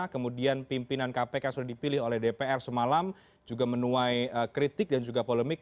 kemudian pimpinan kpk sudah dipilih oleh dpr semalam juga menuai kritik dan juga polemik